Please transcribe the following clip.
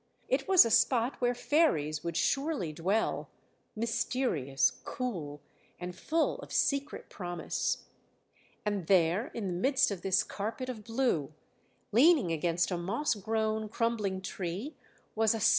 It was a spot where fairies would surely dwell, mysterious, cool, and full of secret promise. And there, in the midst of this carpet of blue, leaning against a moss grown crumbling tree, was a spirit like being out of another world!